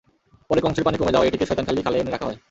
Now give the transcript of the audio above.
পড়ে কংসের পানি কমে যাওয়ায় এটিকে শয়তানখালী খালে এনে রাখা হয়।